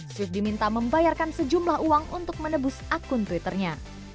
srif diminta membayarkan sejumlah uang untuk menebus akun twitternya